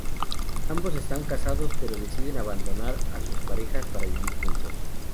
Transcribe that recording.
Ambos están casados pero deciden abandonar a sus parejas para vivir juntos.